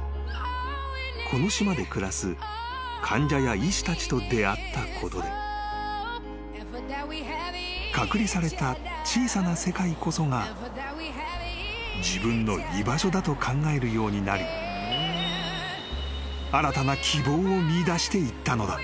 ［この島で暮らす患者や医師たちと出会ったことで隔離された小さな世界こそが自分の居場所だと考えるようになり新たな希望を見いだしていったのだ］